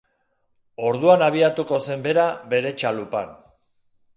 Orduan abiatuko zen bera bere txalupan.